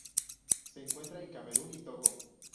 Se encuentra en Camerún y Togo.